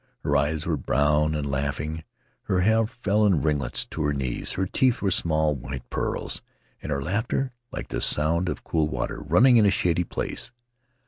Her eyes were brown and laughing, her hair fell in ringlets to her knees, her teeth were small white pearls, and her laughter like the sound of cool water running in a shady place.